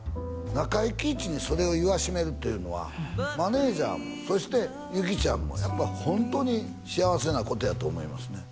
中井貴一にそれを言わしめるっていうのはマネージャーもそして有紀ちゃんもやっぱりホントに幸せなことやと思いますね